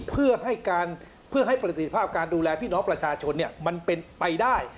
เพื่อให้ประสิทธิภาพการดูแลพี่น้องประชาชนมันเป็นไปได้